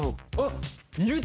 あっ！